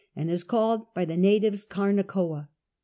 and is called by the natives Carnacoah.